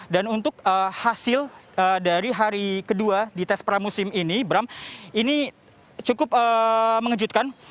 dan untuk hasil dari hari kedua di tes pramusim ini bram ini cukup mengejutkan